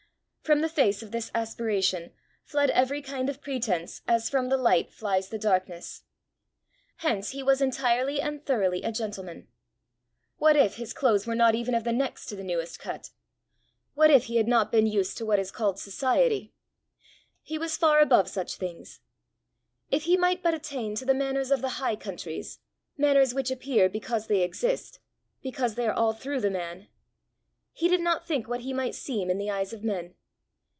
From the face of this aspiration fled every kind of pretence as from the light flies the darkness. Hence he was entirely and thoroughly a gentleman. What if his clothes were not even of the next to the newest cut! What if he had not been used to what is called society! He was far above such things. If he might but attain to the manners of the "high countries," manners which appear because they exist because they are all through the man! He did not think what he might seem in the eyes of men.